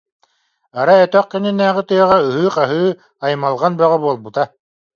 Арай өтөх кэннинээҕи тыаҕа ыһыы-хаһыы, аймалҕан бөҕө буолбута